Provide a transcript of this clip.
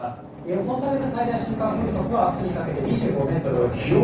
予想される最大瞬間風速はあすにかけて２５メートルを予想しています。